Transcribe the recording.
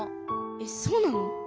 えっそうなの？